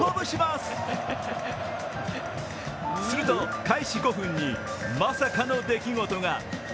すると、開始５分にまさかの出来事が。